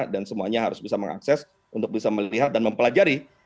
dan semuanya harus bisa mengakses untuk bisa melihat dan mempelajari